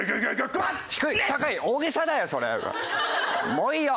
もういいよ。